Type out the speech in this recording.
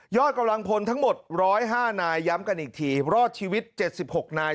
ยอดกำลังพลทั้งหมดร้อยห้านายย้ำกันอีกทีรอดชีวิตเจ็ดสิบหกนาย